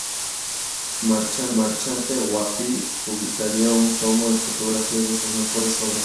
Su marchante Goupil publicaría un tomo con fotografías de sus mejores obras.